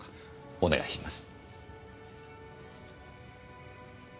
お願いします。